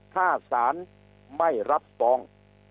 ถ้าสารไม่รับฟ้อง